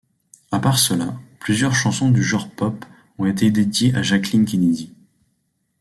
À part cela, plusieurs chansons du genre pop ont été dédiées à Jacqueline Kennedy.